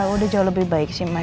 udah jauh lebih baik sih mas